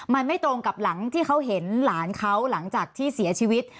มันไม่ตรงกับหลังที่เขาเห็นหลานเขาหลังจากที่เสียชีวิต